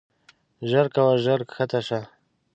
ژر کوه ژر کښته شه.